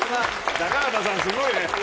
高畑さん、すごいね。